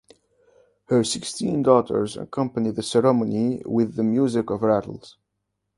Her sixteen daughters accompany the ceremony with the music of rattles.